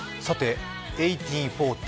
「１８／４０」